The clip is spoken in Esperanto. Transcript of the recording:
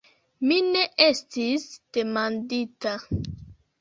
Mi ne estis demandita.